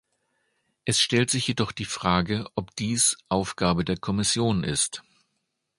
Es stellt sich jedoch die Frage, ob dies Aufgabe der Kommission ist.